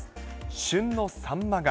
旬のサンマが。